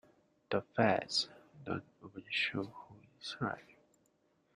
The facts don't always show who is right.